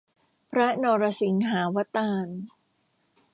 พระนรสิงหาวตาร